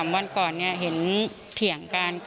วันก่อนเห็นเถียงกัน